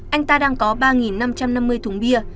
anh ta đang có ba năm trăm năm mươi thùng bia